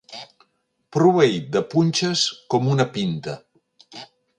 Proveït de punxes com una pinta.